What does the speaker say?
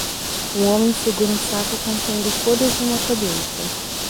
Um homem segura um saco contendo folhas de uma colheita